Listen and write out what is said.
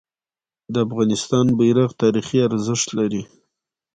د افغانستان بیرغ تاریخي ارزښت لري.